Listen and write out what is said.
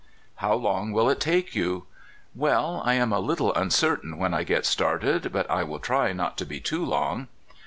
" How long will it take you? "Well, I am a little uncertain when I get start ed, but I will try not to be too long."